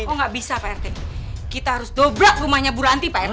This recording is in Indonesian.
oh gak bisa pak rt kita harus doblak rumahnya bu ranti pak rt